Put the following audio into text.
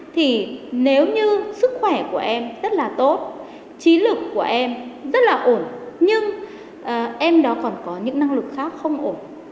thì nếu như sức khỏe của em rất là tốt trí lực của em rất là ổn nhưng em đó còn có những năng lực khác không ổn